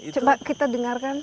coba kita dengarkan